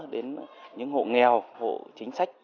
đến những hộ nghèo hộ chính sách